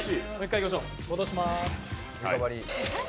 戻します。